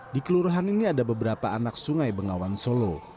di kelurahan ini ada beberapa anak sungai bengawan solo